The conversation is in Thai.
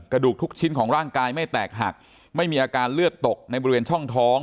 ทุกชิ้นของร่างกายไม่แตกหักไม่มีอาการเลือดตกในบริเวณช่องท้อง